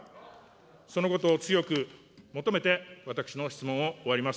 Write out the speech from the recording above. そのことを強く求めて、私の質問を終わります。